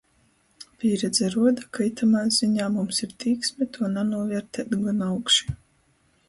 Pīredze ruoda, ka itamā ziņā mums ir tīksme tuo nanūviertēt gona augši.